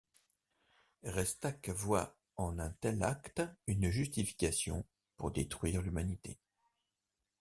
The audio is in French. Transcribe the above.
Restac voit en un tel acte une justification pour détruire l'humanité.